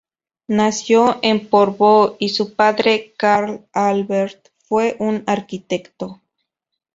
Nació en Porvoo, y su padre, Carl Albert, fue un arquitecto.